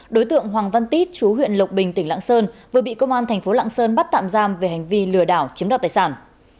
đối tượng hoàng văn tí chú huyện lộc bình tỉnh lạng sơn vừa bị công an thành phố lạng sơn bắt tạm giam về hành vi lừa đảo chiếm đoạt tài sản